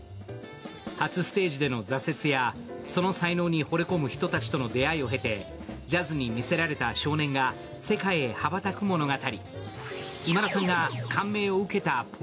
初ステージでの挫折やその才能に惚れ込む人たちとの出会いをへてジャズにみせられた少年が世界へ羽ばたく物語。